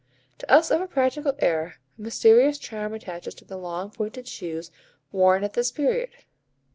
To us of a practical era, a mysterious charm attaches to the long pointed shoes worn at this period.